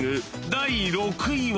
第６位は］